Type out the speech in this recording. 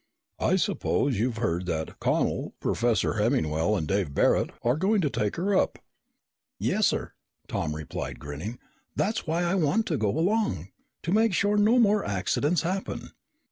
"I suppose you've heard that Connel, Professor Hemmingwell, and Dave Barret are going to take her up." "Yes, sir," Tom replied, grinning. "That's why I want to go along. To make sure no more accidents happen."